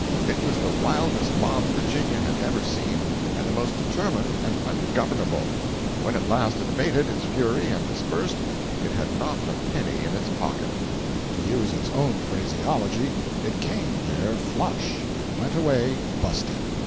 It was the wildest mob Virginia had ever seen and the most determined and ungovernable; and when at last it abated its fury and dispersed, it had not a penny in its pocket. 315.jpg (125K) To use its own phraseology, it came there "flush" and went away "busted."